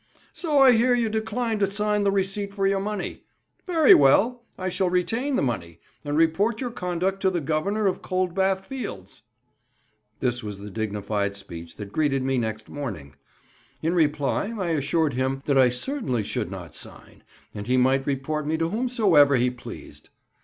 "So I hear you decline to sign the receipt for your money. Very well; I shall retain the money, and report your conduct to the Governor of Cold Bath Fields." This was the dignified speech that greeted me next morning. In reply, I assured him that I certainly should not sign, and he might report me to whomsoever he pleased.